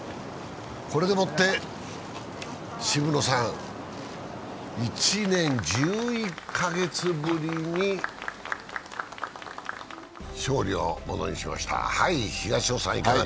これで渋野さん、１年１１カ月ぶりに勝利をものにしました。